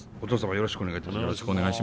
よろしくお願いします。